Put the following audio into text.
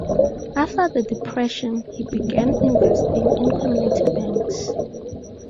After the Depression, he began investing in community banks.